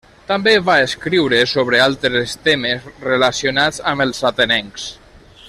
També va escriure sobre altres temes relacionats amb els atenencs.